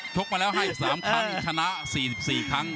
กมาแล้วให้๓ครั้งชนะ๔๔ครั้ง